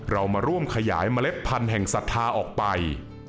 เรามาร่วมขยายเมล็ดพันธุ์แห่งศรัทธาออกไป